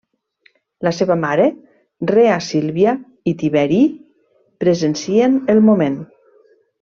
La seva mare, Rea Sílvia, i Tiberí presencien el moment.